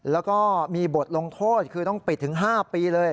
แล้วก็มีบทลงโทษคือต้องปิดถึง๕ปีเลย